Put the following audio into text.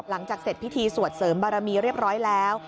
หลังจากเสร็จพิธีสวดเสริมบารมีเรียบร้อยแล้ว